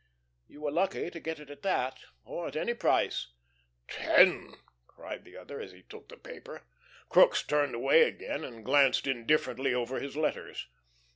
You were lucky to get it at that or at any price." "Ten!" cried the other, as he took the paper. Crookes turned away again, and glanced indifferently over his letters.